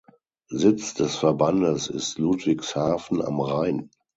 Sitz des Verbandes ist Ludwigshafen am Rhein.